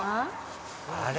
あれ？